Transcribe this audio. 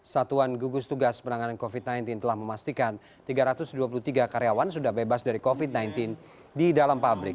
satuan gugus tugas penanganan covid sembilan belas telah memastikan tiga ratus dua puluh tiga karyawan sudah bebas dari covid sembilan belas di dalam pabrik